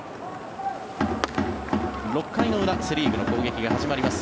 ６回の裏セ・リーグの攻撃が始まります。